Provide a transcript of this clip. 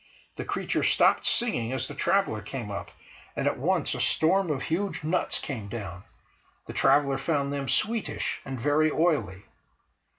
The creature stopped singing as the traveller came up, and at once a storm of huge nuts came down; the traveller found them sweetish and very oily.